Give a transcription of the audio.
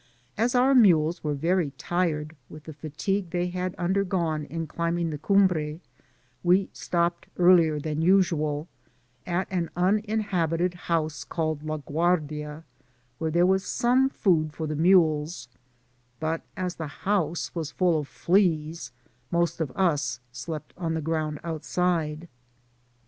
As our mules were very tired with the fatigue they had undergone in climbing the Cumbre, we stopped earlier than usual, at an uninhabited house called La Guardia, where there was some food for the mules, but as the house was full of fleas, most of us slept on the ground outside.